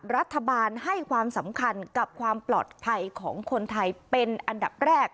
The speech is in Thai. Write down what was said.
รัฐบาลให้ความสำคัญกับความปลอดภัยของคนไทยเป็นอันดับแรก